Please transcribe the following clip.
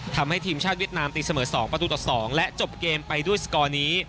ทำให้ทีมชาติเวียดนามตีเสมอ๒ประตูต่อ๒และจบเกมไปด้วยสกอร์นี้